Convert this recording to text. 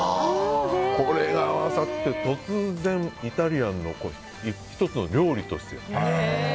これが合わさって突然、イタリアンの１つの料理として。